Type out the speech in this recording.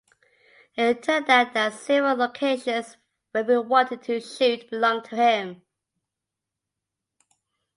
It turned out that several locations where we wanted to shoot belonged to him.